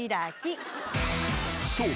［そう。